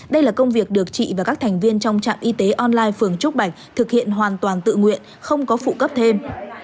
đây là công việc được chị và các thành viên trong trạm y tế online phường trúc bạch thực hiện hoàn toàn tự nguyện không có phụ cấp thêm